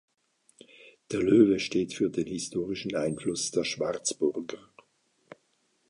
Der Löwe steht für den historischen Einfluss der Schwarzburger.